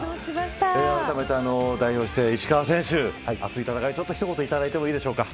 あらためて代表して石川選手一言いただいてもいいでしょうか。